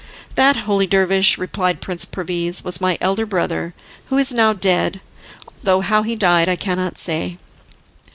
"That, holy dervish," replied Prince Perviz, "was my elder brother, who is now dead, though how he died I cannot say."